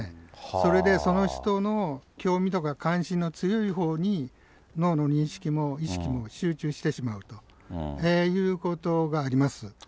それで、その人の興味とか関心の強いほうに、脳の認識も意識も集中してしまうということがあります。